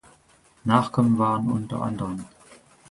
Nachkommen waren unter anderen